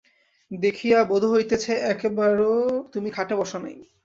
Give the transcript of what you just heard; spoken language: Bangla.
দেখিয়া বােধ হইতেছে, একবারাে তুমি খাটে বস নাই।